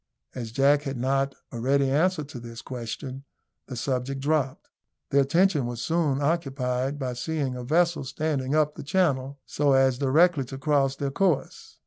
As Jack had not a ready answer to this question, the subject dropped. Their attention was soon occupied by seeing a vessel standing up the channel, so as directly to cross their course.